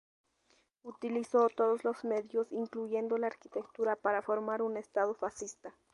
Utilizó todos los medios incluyendo la arquitectura para formar un estado fascista.